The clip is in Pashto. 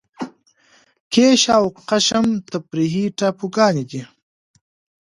کیش او قشم تفریحي ټاپوګان دي.